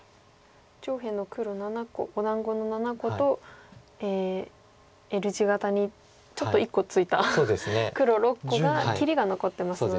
上辺の黒７個お団子の７個とＬ字型にちょっと１個ついた黒６個が切りが残ってますので。